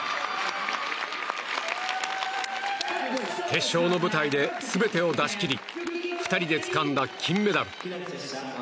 決勝の舞台で全てを出し切り２人でつかんだ金メダル。